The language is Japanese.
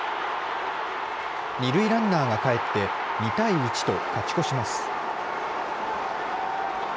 二塁ランナーが帰って２対１と勝ち越します。